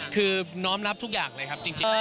คือน้อมรับทุกอย่างเลยครับจริง